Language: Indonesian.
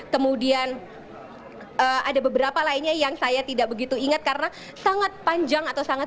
kemudian ada beberapa lainnya yang saya tidak begitu ingat karena sangat panjang atau sangat